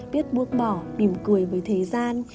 biết buông bỏ mỉm cười với thời gian